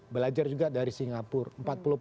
belajar juga dari singapura